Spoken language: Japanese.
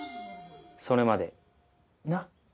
それまでなっ？